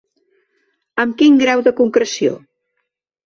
Amb quin grau de concreció?